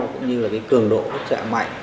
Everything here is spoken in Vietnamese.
cũng như là cái cường độ bức trạng mạnh